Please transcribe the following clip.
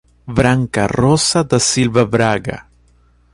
Branca Rosa da Silva Braga